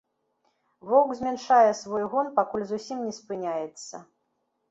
Воўк змяншае свой гон, пакуль зусім не спыняецца.